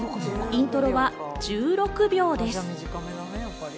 イントロは１６秒です。